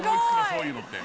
そういうのって。